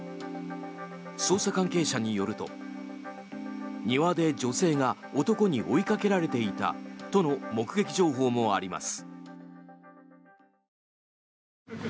捜査関係者によると、庭で女性が男に追いかけられていたとの目撃情報もあります。